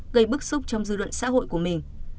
gây bức xúc trong dư luận xã hội của mình